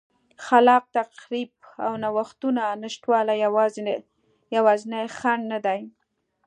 خلاق تخریب او نوښتونو نشتوالی یوازینی خنډ نه دی.